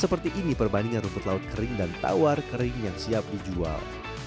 seperti ini perbandingan rumput laut kering dan tawar kering yang siap dijual